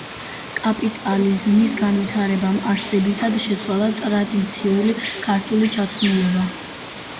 კაპიტალიზმის განვითარებამ არსებითად შეცვალა ტრადიციული ქართული ჩაცმულობა.